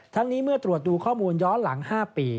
ทั้งนี้เมื่อตรวจดูข้อมูลย้อนหลัง๕ปี